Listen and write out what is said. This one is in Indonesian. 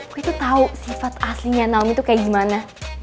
gue tuh tau sifat aslinya naomi tuh kayak gimana